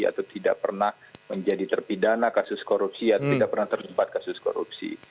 atau tidak pernah menjadi terpidana kasus korupsi atau tidak pernah terlibat kasus korupsi